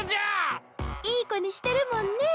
いい子にしてるもんね。